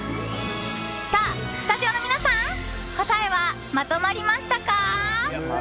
さあ、スタジオの皆さん答えはまとまりましたか？